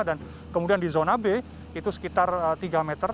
dan kemudian di zona b itu sekitar tiga meter